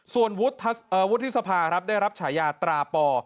ส่วนวุฒิสภาครับได้รับฉายาตราปอ